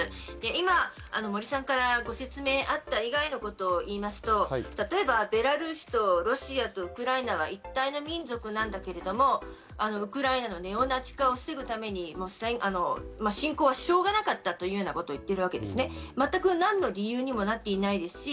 今、森さんからご説明あった以外のことをいいますと例えばベラルーシとロシアとウクライナは一体の民族なんだけれども。ウクライナのネオナチ化を防ぐために、侵攻はしょうがなかったというようなこと言ってるんですね。